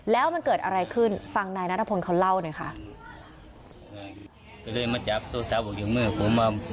แล้วมันเกิดอะไรขึ้นฟังนายนัทพลเขาเล่าหน่อยค่ะ